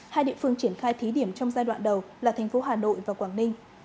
hai địa phương triển khai thí điểm trong giai đoạn đầu là thành phố hà nội và quảng ninh